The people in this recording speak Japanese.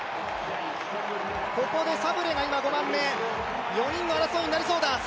ここでサブレが今５番目４人の争いになりそうだ。